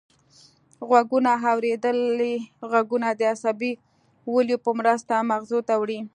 غوږونه اوریدلي غږونه د عصبي ولیو په مرسته مغزو ته وړي